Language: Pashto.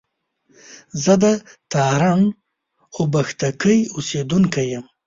زه د تارڼ اوبښتکۍ اوسېدونکی يم